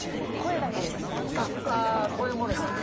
声ものまね。